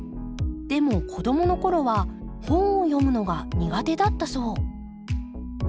でも子どもの頃は本を読むのが苦手だったそう。